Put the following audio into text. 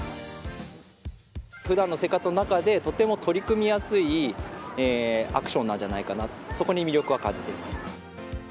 ふだんの生活の中で、とても取り組みやすいアクションなんじゃないかな、そこに魅力は感じています。